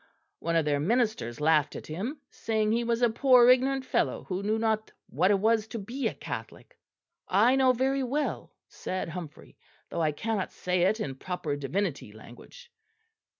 One of their ministers laughed at him, saying he was a poor ignorant fellow who knew not what it was to be a Catholic. 'I know very well;' said Humphrey, 'though I cannot say it in proper divinity language.'